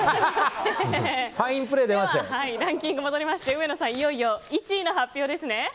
ではランキングに戻りまして上野さん、いよいよ１位の発表ですね。